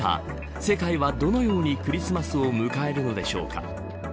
世界はどのようにクリスマスを迎えるのでしょうか。